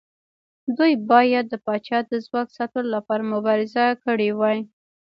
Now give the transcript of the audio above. دوی باید د پاچا د ځواک ساتلو لپاره مبارزه کړې وای.